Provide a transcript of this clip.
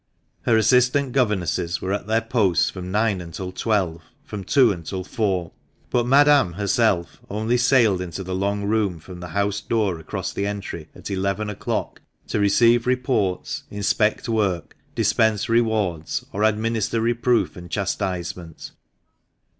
Her assistant governesses were at their posts from nine until twelve, from two until four ; but Madame herself only sailed into the long room from the house door across the entry at eleven o'clock to receive, reports, inspect work, dispense rewards, or administer reproof and chastisement.